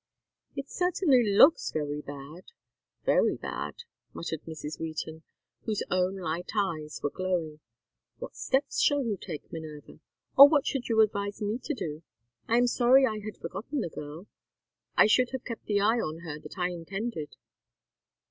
"It certainly looks very bad, very bad," muttered Mrs. Wheaton, whose own light eyes were glowing. "What steps shall you take, Minerva? Or what should you advise me to do? I am sorry I had forgotten the girl. I should have kept the eye on her that I intended."